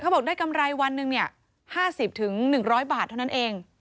บอกได้กำไรวันหนึ่ง๕๐๑๐๐บาทเท่านั้นเอง